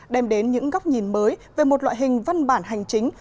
đem đến những góc nhìn mới về một loại hình văn bản hành chính